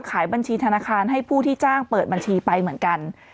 ขายบัญชีธนาคารให้ผู้ที่จ้างเปิดบัญชีไปเหมือนกัน